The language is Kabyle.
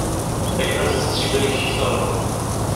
Tagnawt tettibrik kter.